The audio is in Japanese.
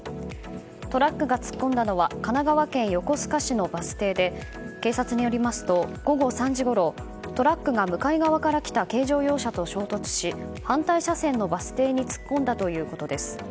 トラックが突っ込んだのは神奈川県横須賀市のバス停で警察によりますと午後３時ごろトラックが向かい側から来た軽乗用車と衝突し反対車線のバス停に突っ込んだということです。